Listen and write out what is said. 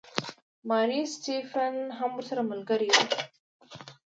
ماري سټیفن هم ورسره ملګرې وه.